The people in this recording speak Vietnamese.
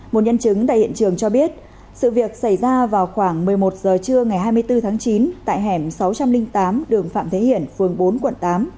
một nhân chứng tại hiện trường cho biết sự việc xảy ra vào khoảng một mươi một h trưa ngày hai mươi bốn tháng chín tại hẻm sáu trăm linh tám đường phạm thế hiển phường bốn quận tám